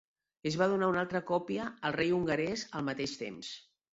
Es va donar una altra còpia al rei hongarès al mateix temps.